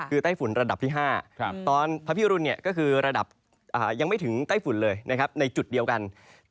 คือไต้ฝุ่นระดับที่๕ตอนพระพิรุณก็คือระดับยังไม่ถึงไต้ฝุ่นเลยนะครับในจุดเดียวกัน